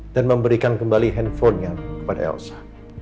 dan memberikan kembali handphonenya kepada elsa